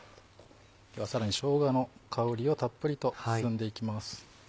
今日はさらにしょうがの香りをたっぷりと包んでいきます。